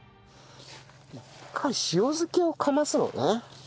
一回塩漬けをかますのね。